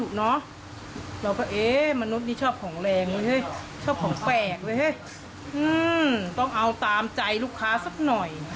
ต้องเอาตามใจลูกค้าสักหน่อย